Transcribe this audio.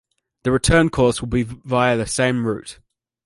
The return course will be via the same route.